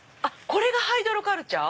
これがハイドロカルチャー？